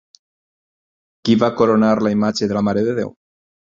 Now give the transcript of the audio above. Qui va coronar la imatge de la Mare de Déu?